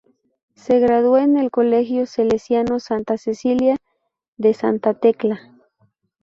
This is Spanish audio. Se graduó en el Colegio Salesiano Santa Cecilia de Santa Tecla.